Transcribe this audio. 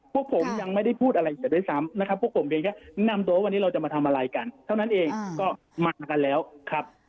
พวกผมยังไม่ได้พูดอะไรแต่ด้วยซ้ำนะครับพวกผมเรียนแค่แนะนำตัวว่าวันนี้เราจะมาทำอะไรกันเท่านั้นเองก็มากันแล้วครับ